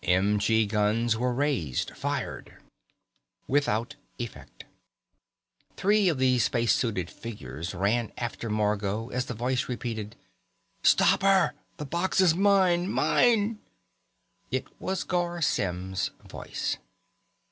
M.g. guns were raised, fired. Without effect. Three of the spacesuited figures ran after Margot as the voice repeated: "Stop her! The box is mine, mine!" It was Garr Symm's voice.